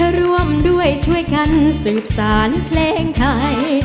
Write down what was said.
ร่วมด้วยช่วยกันสืบสารเพลงไทย